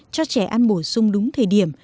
cho trẻ ăn bổ sung đúng thời điểm